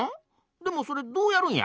でもそれどうやるんや？